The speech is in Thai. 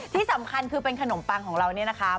ที่สำคัญคือเป็นขนมปังของเราเนี่ยนะคะ